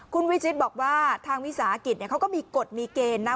คุณวิชิตบอกว่าทางวิสาหกิจเขาก็มีกฎมีเกณฑ์นะ